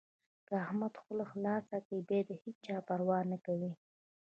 که احمد خوله خلاصه کړي؛ بيا د هيچا پروا نه کوي.